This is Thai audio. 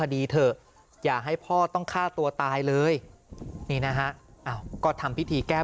ดีเถอะอย่าให้พ่อต้องฆ่าตัวตายเลยนี่นะฮะก็ทำพิธีแก้